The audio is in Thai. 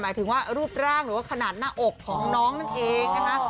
หมายถึงว่ารูปร่างหรือว่าขนาดหน้าอกของน้องนั่นเองนะคะ